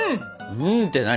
「うん！」って何？